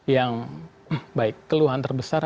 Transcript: yang baik keluhan terbesar